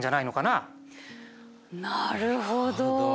なるほど。